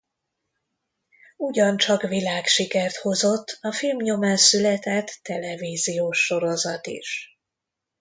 Ugyancsak világsikert hozott a film nyomán született televíziós sorozat is.